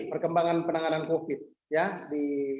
perkembangan penanganan covid sembilan belas